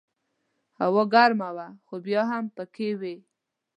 هوا ګرمه وه خو بیا هم پکې وې.